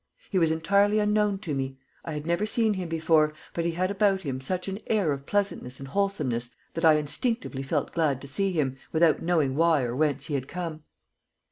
He was entirely unknown to me. I had never seen him before, but he had about him such an air of pleasantness and wholesomeness that I instinctively felt glad to see him, without knowing why or whence he had come.